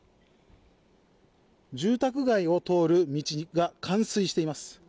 住宅街を通る道が冠水しています。